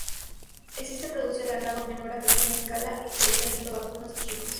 Existe producción de ganado menor a pequeña escala, sobresaliendo vacunos y chivos.